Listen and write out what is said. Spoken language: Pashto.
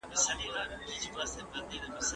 سینه بغل خطرناکه ناروغي ده.